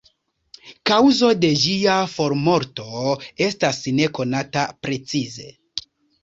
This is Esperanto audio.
Kaŭzo de ĝia formorto estas ne konata precize.